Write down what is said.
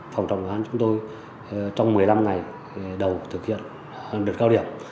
phòng trọng án chúng tôi trong một mươi năm ngày đầu thực hiện đợt cao điểm